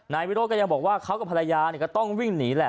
นายวิโรธก็ยังบอกว่าเขากับภรรยาก็ต้องวิ่งหนีแหละ